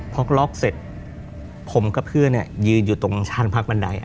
พอล็อกเสร็จผมกับเพื่อนยืนอยู่ตรงช่างพักบันได